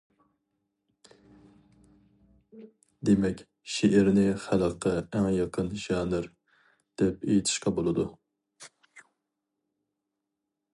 دېمەك، شېئىرنى خەلققە ئەڭ يېقىن ژانىر، دەپ ئېيتىشقا بولىدۇ.